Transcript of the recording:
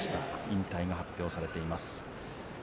引退が発表されています。